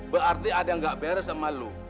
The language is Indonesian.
berarti ada yang gak beres sama lo